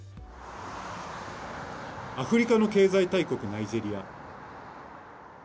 アフリカの経済大国ナイジェリア。